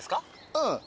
うん。